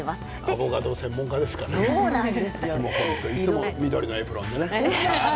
アボカド専門家ですからねいつも緑のエプロンでね。